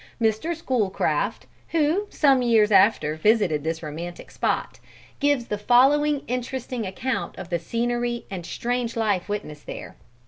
Mr. Schoolcraft, who some years after visited this romantic spot, gives the following interesting account of the scenery and strange life witnessed there.